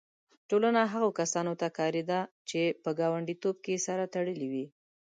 ټولنه هغو کسانو ته کارېده چې په ګانډیتوب کې سره تړلي وي.